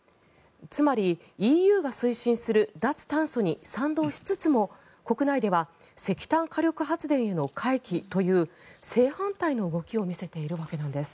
つまりＥＵが推進する脱炭素に賛同しつつも国内では石炭火力発電への回帰という正反対の動きを見せているわけなんです。